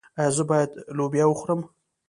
ایا زه باید لوبیا وخورم؟